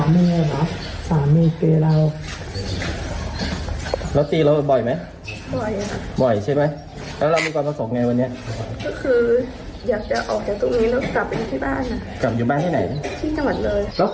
มากวรลูกแล้วลูกตื่นร้องได้แล้วทีนี้ลูกไม่นอนหรอก